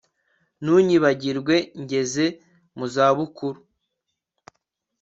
ntunyibagirwe ngeze mu zabukuru